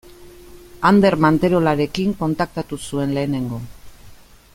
Ander Manterolarekin kontaktatu zuen lehenengo.